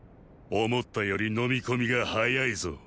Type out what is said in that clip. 思ったより飲み込みが早いぞ。